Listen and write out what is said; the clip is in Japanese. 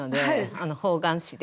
あっ方眼紙で。